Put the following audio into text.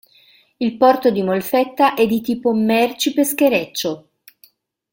Il porto di Molfetta è di tipo merci-peschereccio.